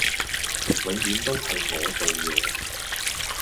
永遠都係我做野